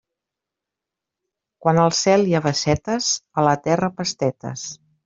Quan al cel hi ha bassetes, a la terra, pastetes.